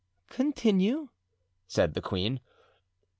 "Continue," said the queen.